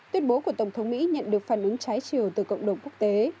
tuyên bố của tổng thống mỹ nhận được phản ứng trái chiều từ cộng đồng quốc tế